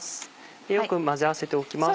でよく混ぜ合わせておきます。